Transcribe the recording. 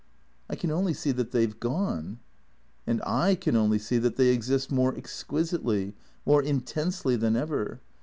" I can only see that they 've gone." " And I can only see that they exist more exquisitely, more intensely than ever.